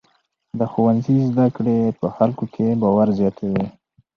د ښوونځي زده کړې په خلکو کې باور زیاتوي.